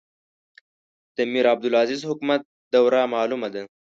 د میرعبدالعزیز حکومت دوره معلومه ده.